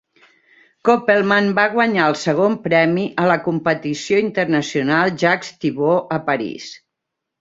Kopelman va guanyar el segon premi a la competició internacional Jacques Thibaud a París.